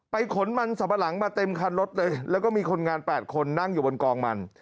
ขนมันสัมปะหลังมาเต็มคันรถเลยแล้วก็มีคนงาน๘คนนั่งอยู่บนกองมัน